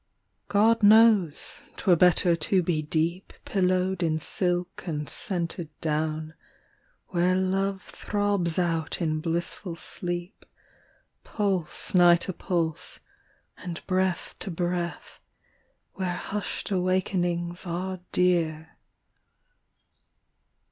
God knows 'twere better to be deep Pillowed in silk and scented down, Where Love throbs out in blissful sleep, Pulse nigh to pulse, and breath to breath, Where hushed awakenings are dear